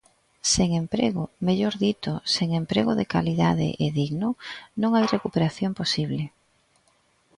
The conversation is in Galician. Sen emprego –mellor dito, sen emprego de calidade e digno– non hai recuperación posible.